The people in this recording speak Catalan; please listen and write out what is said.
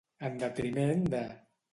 En detriment de.